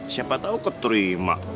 siapa tau keterima